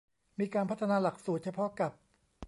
มีการพัฒนาหลักสูตรเฉพาะกับ